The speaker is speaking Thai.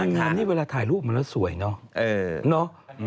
นางงามนี่เวลาถ่ายรูปมันแล้วสวยเนาะเนาะ